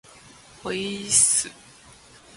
おいーっす